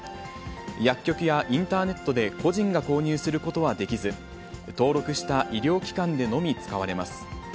薬局やインターネットで個人が購入することはできず、登録した医療機関でのみ使われます。